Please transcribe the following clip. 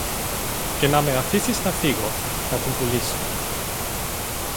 και να με αφήσεις να φύγω, να την πουλήσω